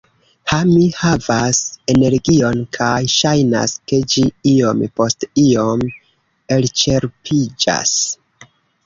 Ha, mi havas energion, kaj ŝajnas, ke ĝi iom post iom elĉerpiĝas